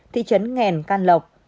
thị trấn nghèn can lộc